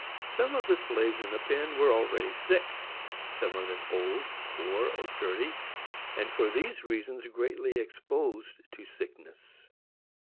Some of the slaves in the pen were already sick; some of them old, poor or dirty, and for these reasons greatly exposed to sickness.